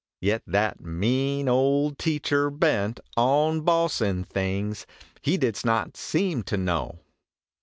Yet, that mean old teacher bent On bossin things he didst not seem to know.